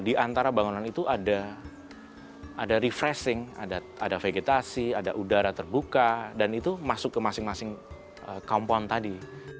dan di tengah bangunan itu di antara bangunan itu ada refreshing ada vegetasi ada udara terbuka dan itu masuk ke masing masing kampung tadi